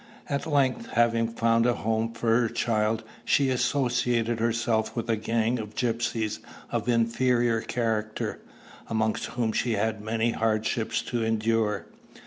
At length, having found a home for her child, she associated herself with a gang of gypsies of inferior character, amongst whom she had many hardships to endure.